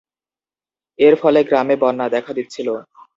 এর ফলে গ্রামে বন্যা দেখা দিচ্ছিল।